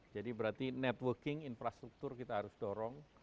jadi berarti networking infrastruktur kita harus dorong